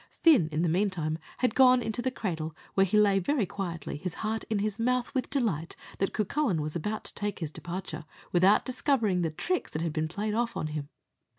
Fin, in the meantime, had gone into the cradle, where he lay very quietly, his heart at his mouth with delight that Cucullin was about to take his departure, without discovering the tricks that had been played off on him.